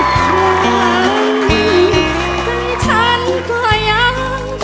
ก็ให้ฉันกำลังทำ